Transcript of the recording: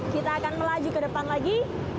kita akan melaju ke depan lagi